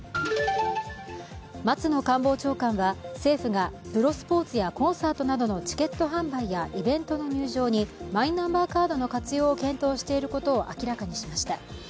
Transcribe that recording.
松野官房長官は政府がプロスポーツやコンサートなどのチケット販売やイベントの入場にマイナンバーカードの活用を検討していることを明らかにしました。